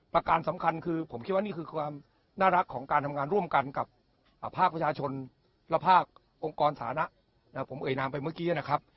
การสำคัญคือผมคิดว่านี่คือความน่ารักของการทำงานร่วมกันกับภาคประชาชนและภาคองค์กรสานะผมเอ่ยนามไปเมื่อกี้นะครับ